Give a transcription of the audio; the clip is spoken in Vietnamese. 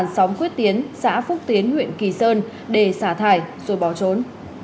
xóm quyết tiến xã phúc tiến huyện kỳ sơn để xả thải rồi bỏ trốn